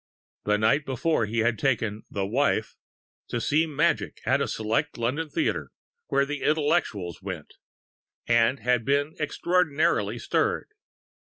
The night before he had taken "the wife" to see Magic at a select London theatre where the Intellectuals went and had been extraordinarily stirred.